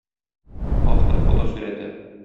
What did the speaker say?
Автор фотосурәте.